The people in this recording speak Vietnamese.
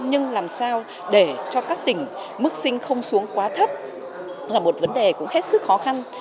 nhưng làm sao để cho các tỉnh mức sinh không xuống quá thấp là một vấn đề cũng hết sức khó khăn